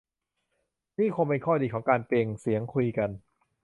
นี่คงเป็นข้อดีของการ "เปล่งเสียง" คุยกัน